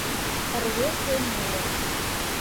Рвезе муро